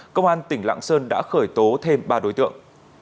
công an tỉnh lạng sơn đã khởi tố thêm ba đối tượng